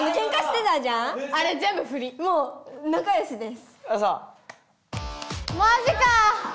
もうなかよしです。